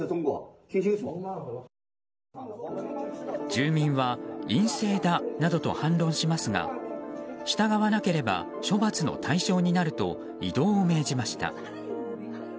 住民は陰性だなどと反論しますが従わなければ処罰の対象になると移動を命じました。